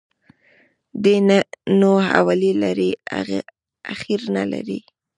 دى نو اول لري ، اخير نلري.